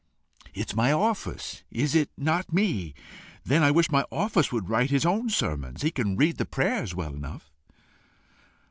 It's my office, is it not me? Then I wish my Office would write his own sermons. He can read the prayers well enough!"